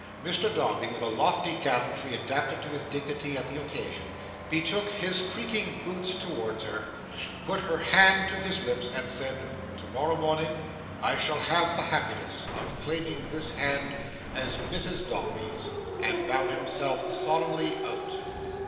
Mr Dombey, with a lofty gallantry adapted to his dignity and the occasion, betook his creaking boots towards her, put her hand to his lips, said, "Tomorrow morning I shall have the happiness of claiming this hand as Mrs Dombey's," and bowed himself solemnly out.